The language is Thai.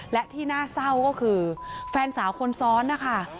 และที่น่าเศร้าก็คือแฟนสาวคนซ้อนนะคะ